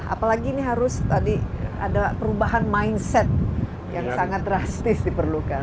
apalagi ini harus tadi ada perubahan mindset yang sangat drastis diperlukan